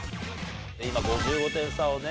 今５５点差をね